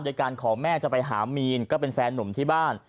โดยการขอแม่จะไปหามีนก็เป็นแฟนหนุ่มที่บ้าน